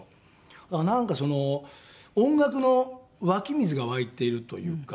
だからなんかその音楽の湧き水が湧いているというか。